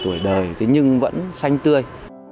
tuổi đời thế nhưng vẫn xanh tươi